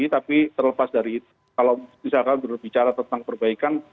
tapi terlepas dari itu kalau misalkan bicara tentang perbaikan